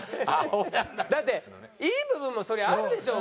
だっていい部分もそりゃああるでしょう。